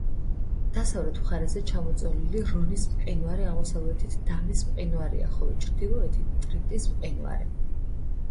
დასავლეთ მხარეზე ჩამოწოლილია რონის მყინვარი, აღმოსავლეთით დამის მყინვარია, ხოლო ჩრდილოეთით ტრიფტის მყინვარი.